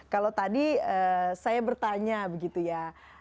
kalau tadi saya bertanya begitu ya